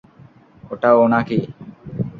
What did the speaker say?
ওটা ও নাকি?